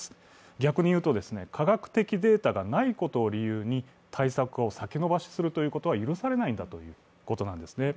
逆に言うと、科学的データがないことを理由に対策を先延ばしするということは許されないんだということなんですね。